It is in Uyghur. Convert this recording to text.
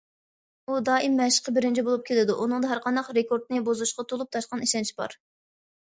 ئۇ دائىم مەشىققە بىرىنچى بولۇپ كېلىدۇ، ئۇنىڭدا ھەرقانداق رېكورتنى بۇزۇشقا تولۇپ تاشقان ئىشەنچ بار.